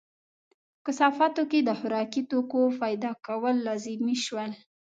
په کثافاتو کې د خوراکي توکو پیدا کول لازمي شول.